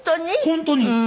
本当に。